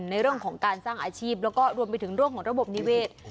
ในเรื่องของการสร้างอาชีพแล้วก็รวมไปถึงเรื่องของระบบนิเวศ